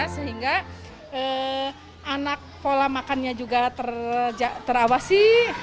sehingga anak pola makannya juga terawasi